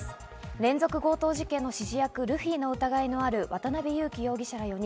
連続強盗事件の指示役・ルフィの疑いのある、渡辺優樹容疑者ら４人。